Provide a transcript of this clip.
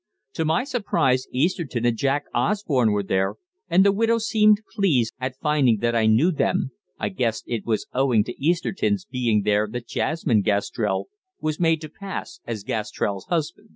To my surprise Easterton and Jack Osborne were there, and the widow seemed pleased at finding that I knew them I guessed it was owing to Easterton's being there that Jasmine Gastrell was made to pass as Gastrell's cousin.